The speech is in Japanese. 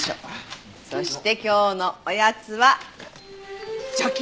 そして今日のおやつは除菌！